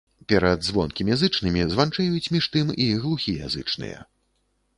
Перад звонкімі зычнымі званчэюць, між тым, і глухія зычныя.